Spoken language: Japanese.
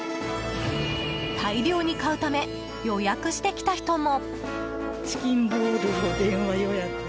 大量に買うため予約してきた人も。